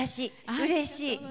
うれしい！